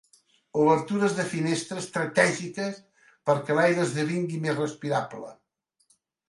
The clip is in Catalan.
Obertures de finestra estratègiques perquè l'aire esdevingui més respirable.